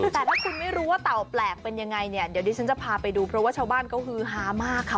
แต่ถ้าคุณไม่รู้ว่าเต่าแปลกเป็นยังไงเนี่ยเดี๋ยวดิฉันจะพาไปดูเพราะว่าชาวบ้านเขาฮือฮามากค่ะ